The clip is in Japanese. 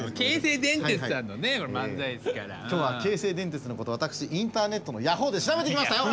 今日は京成電鉄のことを私インターネットのヤホーで調べてきましたよ！